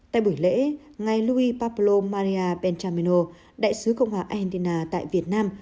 tại buổi lễ ngài luis pablo maria bentamino đại sứ cộng hòa argentina tại việt nam